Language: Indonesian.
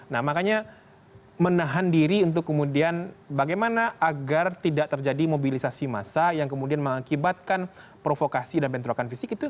nah makanya menahan diri untuk kemudian bagaimana agar tidak terjadi mobilisasi massa yang kemudian mengakibatkan provokasi dan bentrokan fisik itu